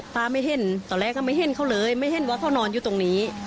ป้าไม่เห็นตอนแรกก็ไม่เห็นเขาเลยไม่เห็นว่าเขานอนอยู่ตรงนี้